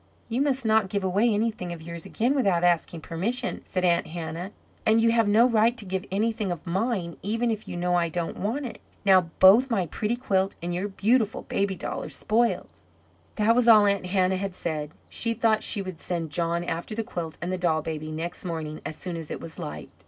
"You must not give away anything of yours again without asking permission," said Aunt Hannah. "And you have no right to give anything of mine, even if you know I don't want it. Now both my pretty quilt and your beautiful doll baby are spoiled." That was all Aunt Hannah had said. She thought she would send John after the quilt and the doll baby next morning as soon as it was light.